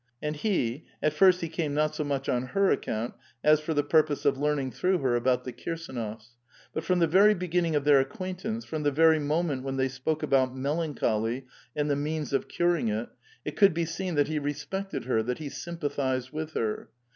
And he, at first he came not so much on her account as for the purpose of learning through her about the Kirsdnofs ; but from the very beginning of their acquaintance, from the very moment when they spoke about melancholy and the means of curing it, it could be seen that he respected her, that he sympathized with her.